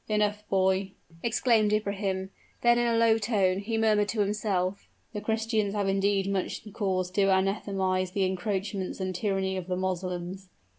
"Enough, boy," exclaimed Ibrahim: then in a low tone, he murmured to himself, "The Christians have indeed much cause to anathematize the encroachments and tyranny of the Moslems."